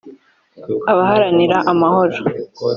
abaharanira amahoro